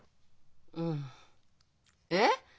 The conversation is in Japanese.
うん。えっ？